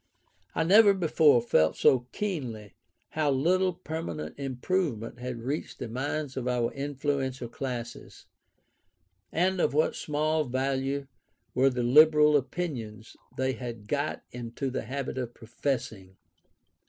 I never before felt so keenly how little permanent improvement had reached the minds of our influential classes, and of what small value were the liberal opinions they had got into the habit of professing.